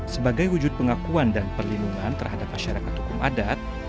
sebagai wujud pengakuan dan perlindungan terhadap masyarakat hukum adat